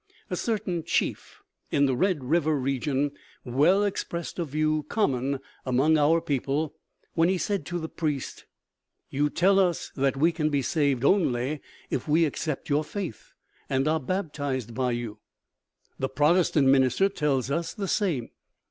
A certain chief in the Red River region well expressed a view common among our people when he said to the priest: "You tell us that we can be saved only if we accept your faith and are baptized by you. The Protestant minister tells us the same.